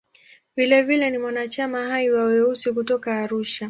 Vilevile ni mwanachama hai wa "Weusi" kutoka Arusha.